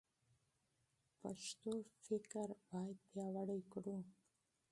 پښتو فکر باید پیاوړی کړو.